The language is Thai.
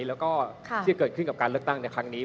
แล้วก็ที่จะเกิดขึ้นกับการเลือกตั้งในครั้งนี้